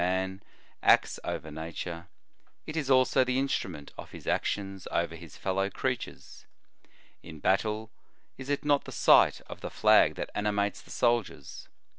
11 122 The Sign of the Cross acts over nature, it is also the instrument of his actions over his fellow creatures. In bat tle, is it not the sight of the flag that animates the soldiers?